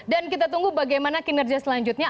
dan kita tunggu bagaimana kinerja selanjutnya